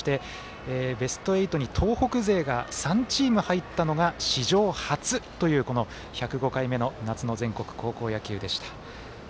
ベスト８に東北勢が３チーム入ったのが史上初というこの１０５回目の夏の全国高校野球でした。